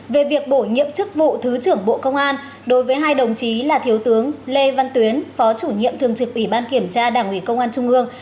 về việc bổ nhiệm chức vụ thứ trưởng bộ công an đối với hai đồng chí là thiếu tướng lê văn tuyến phó chủ nhiệm thường trực ủy ban kiểm tra đảng ủy công an trung ương